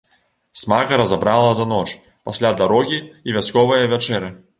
Смага разабрала за ноч, пасля дарогі і вясковае вячэры.